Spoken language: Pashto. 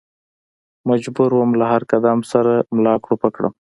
مجبور ووم له هر قدم سره ملا کړوپه کړم.